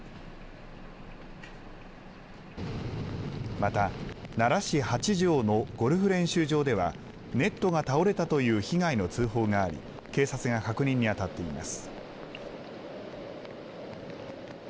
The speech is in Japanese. また奈良市八条のゴルフ練習場ではネットが倒れたという被害の通報があり警察が確認にあたっています。